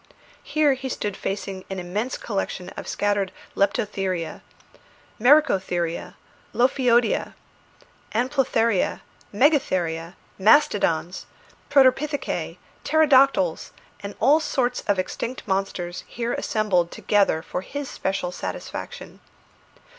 Here he stood facing an immense collection of scattered leptotheria, mericotheria, lophiodia, anoplotheria, megatheria, mastodons, protopithecæ, pterodactyles, and all sorts of extinct monsters here assembled together for his special satisfaction.